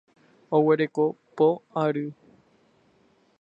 Oguereko po ary.